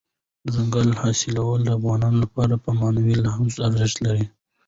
دځنګل حاصلات د افغانانو لپاره په معنوي لحاظ ارزښت لري.